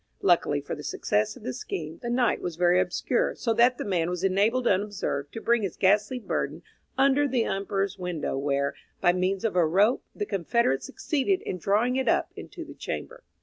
Luckily for the success of the scheme, the night was very obscure, so that the man was enabled unobserved to bring his ghastly burden under the Emperor's window, where, by means of a rope, the confederates succeeded in drawing it up into the chamber.